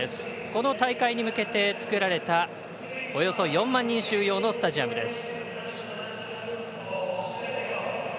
この大会に向けて造られたおよそ４万人収容のスタジアムです。